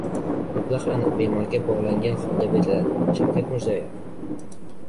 Mablag‘- aniq bemorga bog‘langan holda beriladi-Shavkat Mirziyoyev